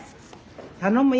頼むよ！